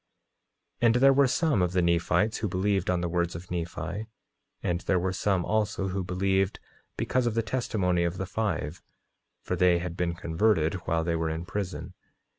9:39 And there were some of the Nephites who believed on the words of Nephi; and there were some also, who believed because of the testimony of the five, for they had been converted while they were in prison.